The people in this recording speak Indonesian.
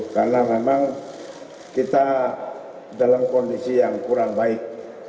karena memang kita dalam kondisi yang kurang baik